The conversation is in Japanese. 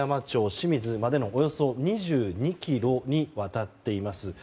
清水までのおよそ２２ｋｍにわたっています。